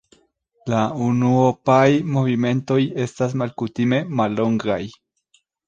La unuopaj movimentoj estas malkutime mallongaj.